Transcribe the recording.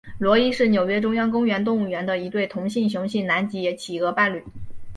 罗伊是纽约中央公园动物园的一对同性雄性南极企鹅伴侣。